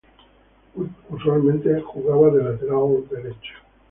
Usualmente jugaba de Lateral Derecho.